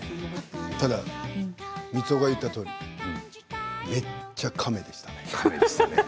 ただ三生が言ったとおりめっちゃ亀でしたね。